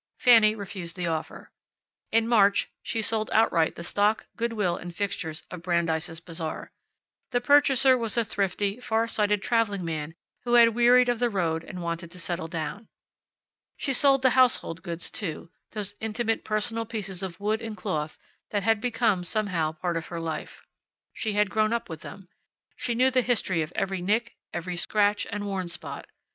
Fanny refused the offer. In March she sold outright the stock, good will, and fixtures of Brandeis' Bazaar. The purchaser was a thrifty, farsighted traveling man who had wearied of the road and wanted to settle down. She sold the household goods too those intimate, personal pieces of wood and cloth that had become, somehow, part of her life. She had grown up with them. She knew the history of every nick, every scratch and worn spot.